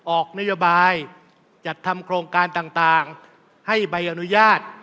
ออกนโยบายจัดทำโครงการต่างให้ใบอนุญาต